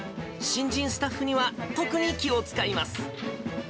新人スタッフには特に気を遣います。